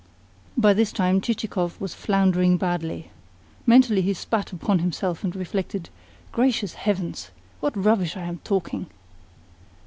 By this time Chichikov was floundering badly. Mentally he spat upon himself and reflected: "Gracious heavens! What rubbish I am talking!"